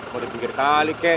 mau dipinggir kali kek